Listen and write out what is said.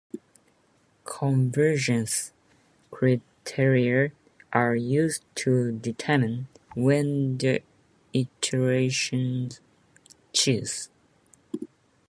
Convergence criteria are used to determine when the iterations cease.